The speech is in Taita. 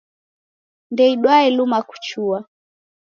Ndeidwae luma kuchua.